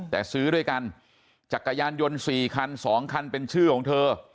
แต่ซื้อด้วยกันจักรยานยนต์๔คัน๒คันเป็นชื่อของเธอ